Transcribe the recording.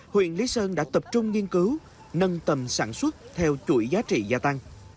huyện lý sơn đã tập trung nghiên cứu nâng tầm sản xuất theo chuỗi giá trị gia tăng